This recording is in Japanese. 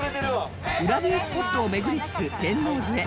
裏ビュースポットを巡りつつ天王洲へ